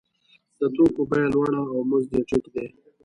د توکو بیه لوړه او مزد یې ټیټ دی